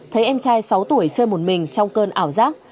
thấy em trai sáu tuổi chơi một mình trong cơn ảo giác